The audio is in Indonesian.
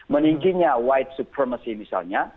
meningginya white supremacy misalnya